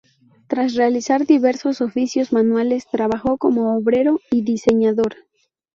Tras realizar diversos oficios manuales, trabajó como obrero y diseñador.